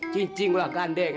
cicik ular gandeng